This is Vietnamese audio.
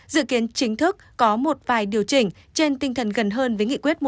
dự kiến chính thức có một vài điều chỉnh trên tinh thần gần hơn với nghị quyết một trăm hai mươi tám